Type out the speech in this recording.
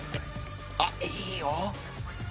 あっいいよ！